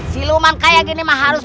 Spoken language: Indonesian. si luman kayak gini mah harus